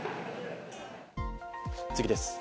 次です。